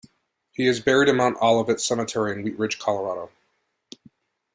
He is buried in Mount Olivet Cemetery in Wheat Ridge, Colorado.